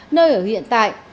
nơi ở hiện tại